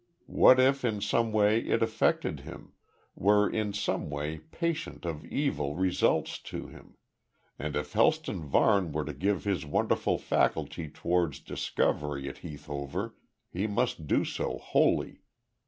What if in some way it affected him were in some way, patient of evil results to him? And if Helston Varne were to give his wonderful faculty towards discovery at Heath Hover, he must do so wholly.